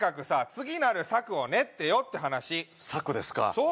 次なる策を練ってよって話策ですか？